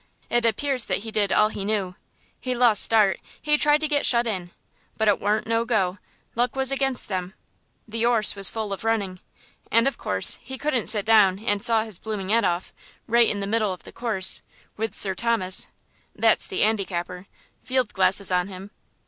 It appears that he did all he knew; he lost start, he tried to get shut in, but it warn't no go, luck was against them; the 'orse was full of running, and, of course, he couldn't sit down and saw his blooming 'ead off, right in th' middle of the course, with Sir Thomas's (that's the 'andicapper) field glasses on him.